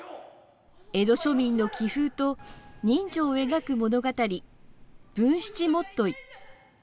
江戸庶民の気風と人情を描く物語、文七元結。